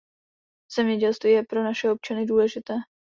Zemědělství je pro naše občany důležité.